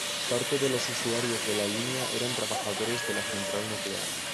Parte de los usuarios de la línea eran trabajadores de la central nuclear.